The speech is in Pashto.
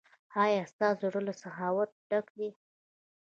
ایا ستاسو زړه له سخاوت ډک دی؟